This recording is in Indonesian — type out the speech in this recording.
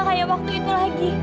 kayak waktu itu lagi